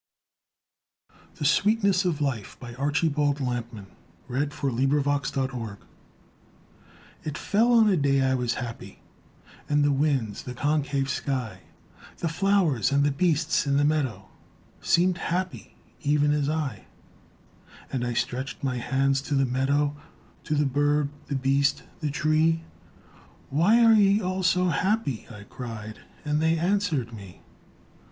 me With the shining flag and shield Of your name. THE SWEETNESS OF LIFE It fell on a day I was happy, And the winds, the concave sky, The flowers and the beasts in the meadow Seemed happy even as I; And I stretched my hands to the meadow, To the bird, the beast, the tree: "Why are ye all so happy?" I cried, and they answered me.